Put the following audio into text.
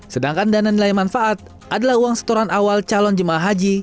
sedangkan dana nilai manfaat adalah uang setoran awal calon jemaah haji